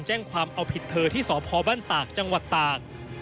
แจ้งความเอาผิดเธอที่สพบ้านตากจังหวัดตาก